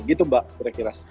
gitu mbak kira kira